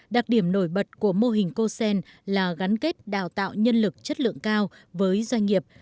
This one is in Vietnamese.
đặc điểm nổi bật của mô hình cosen là gắn kết đào tạo nhân lực chất lượng cao với doanh nghiệp